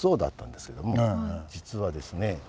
実はですね